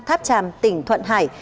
tháp tràm tỉnh thuận hải